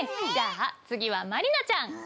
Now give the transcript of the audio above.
じゃあ次はまりなちゃん！